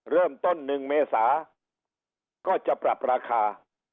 เริ่มต้น๑เมษาก็จะปรับราคา